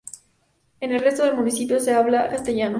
En el resto de municipios se habla castellano.